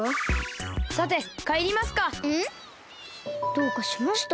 どうかしました？